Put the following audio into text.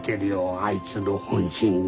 あいつの本心に。